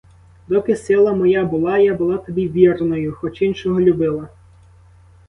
Доки сила моя була, я була тобі вірною, хоч іншого любила.